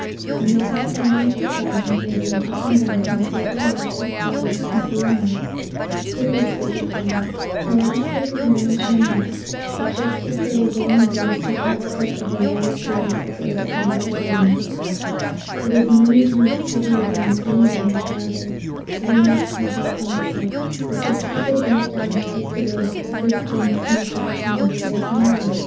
When they got down into the garden they ran up and down, and filled their laps with flowers and green leaves, the prettiest they could find. At last they could manage no more, but just as they were going indoors they caught sight of a large rose at the other end of the garden. It was many times prettier than any they had gathered, so they must have that also. But just as they bent down to take the rose a big dense snowdrift came and carried them away. [Illustration: Just as they bent down to take the rose a big dense snow drift came and carried them away.